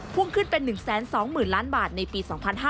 พุ่งขึ้นเป็น๑๒๐๐๐ล้านบาทในปี๒๕๕๙